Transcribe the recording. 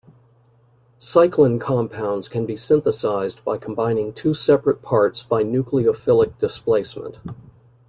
Cyclen compounds can be synthesized by combining two separate parts by nucleophilic displacement.